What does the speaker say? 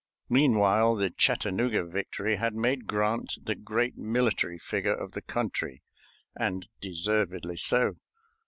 Meantime the Chattanooga victory had made Grant the great military figure of the country, and deservedly so.